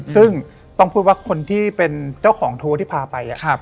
ซึ่งต้องพูดว่าคนที่เป็นเจ้าของโทรที่พาไป